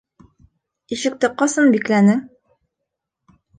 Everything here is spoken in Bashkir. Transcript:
Ишекте ҡасан бикләнең?